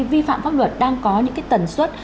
vi phạm pháp luật đang có những tần suất